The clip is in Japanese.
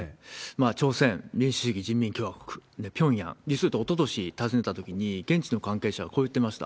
朝鮮民主主義人民共和国、ピョンヤン、おととし訪ねたときに、現地の関係者がこう言ってました。